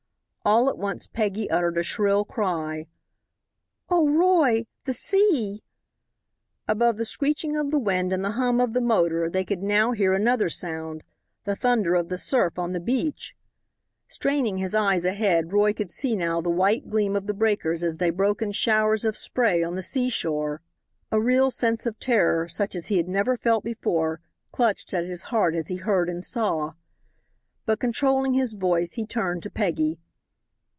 All at once Peggy uttered a shrill cry. "Oh, Roy! The sea!" Above the screeching of the wind and the hum of the motor they could now hear another sound, the thunder of the surf on the beach. Straining his eyes ahead Roy could see now the white gleam of the breakers as they broke in showers of spray on the seashore. A real sense of terror, such as he had never felt before, clutched at his heart as he heard and saw. But controlling his voice, he turned to Peggy.